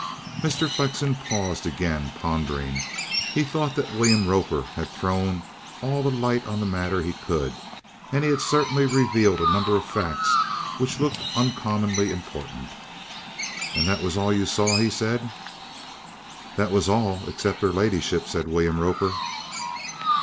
Mr. Flexen paused again, pondering. He thought that William Roper had thrown all the light on the matter he could; and he had certainly revealed a number of facts which looked uncommonly important. "And that was all you saw?" he said. "That was all except 'er ladyship," said William Roper.